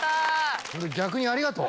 逆にありがとう。